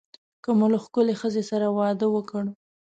که مو له ښکلې ښځې سره واده وکړ.